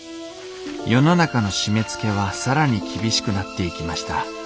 世の中の締めつけは更に厳しくなっていきました。